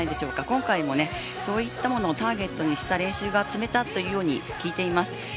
今回もそういうものをターゲットにした練習を積めたと聞いています。